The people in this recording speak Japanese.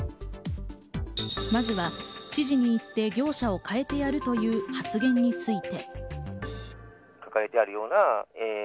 まずは知事に言って業者をかえてやるという発言について。